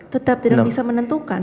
tetap tidak bisa menentukan